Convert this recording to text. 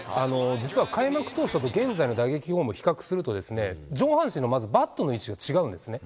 実は開幕当初と現在の打撃フォームを比較すると、上半身のバットの位置が違うんですね。